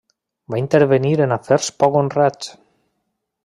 Va intervenir en afers poc honrats.